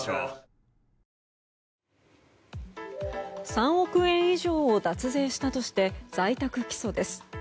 ３億円以上を脱税したとして在宅起訴です。